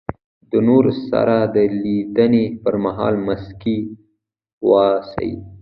د نور سره د لیدني پر مهال مسکی واوسئ.